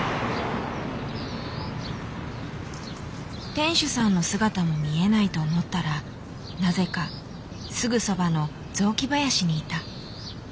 店主さんの姿も見えないと思ったらなぜかすぐそばの雑木林にいた。